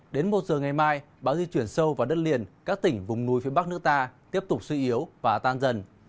đến một giờ ngày mai bão di chuyển sâu vào đất liền các tỉnh vùng núi phía bắc nước ta tiếp tục suy yếu và tan dần